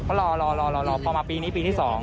ก็รอพอมาปีนี้ปีที่๒